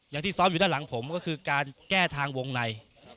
อย่างที่ซ้อมอยู่ด้านหลังผมก็คือการแก้ทางวงใน